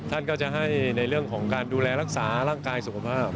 ท่านก็จะให้ในเรื่องของการดูแลรักษาร่างกายสุขภาพ